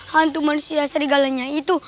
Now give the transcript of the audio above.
hantu manusia serigalnya itu